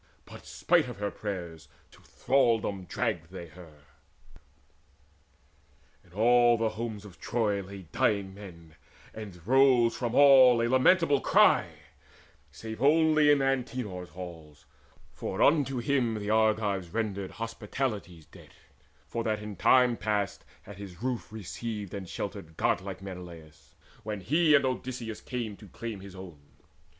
But, spite her prayers, to thraldom dragged they her. In all the homes of Troy lay dying men, And rose from all a lamentable cry, Save only Antenor's halls; for unto him The Argives rendered hospitality's debt, For that in time past had his roof received And sheltered godlike Menelaus, when He with Odysseus came to claim his own.